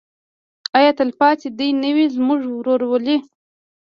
آیا تلپاتې دې نه وي زموږ ورورولي؟